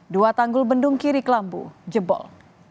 dua tanggul bendung kiri kelambu jebol